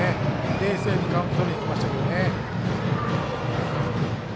冷静にカウントとりにいきました。